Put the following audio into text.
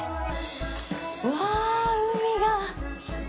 うわぁ、海が。